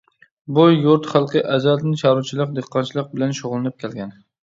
بۇ يۇرت خەلقى ئەزەلدىن چارۋىچىلىق، دېھقانچىلىق بىلەن شۇغۇللىنىپ كەلگەن.